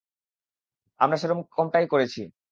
আমরা সেরকমটাই করেছি।